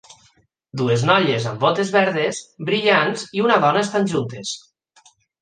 Dues noies amb botes verdes brillants i una dona estan juntes.